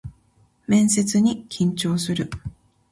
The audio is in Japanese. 面接に緊張する